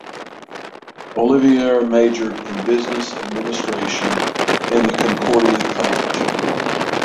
Ollivierre majored in Business Administration in the Concordia College.